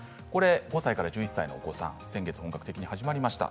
５歳から１１歳のお子さん先月本格的に始まりました。